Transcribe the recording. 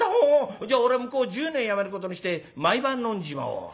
じゃあ俺向こう１０年やめることにして毎晩飲んじまおう」。